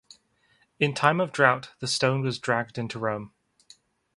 In time of drought the stone was dragged into Rome.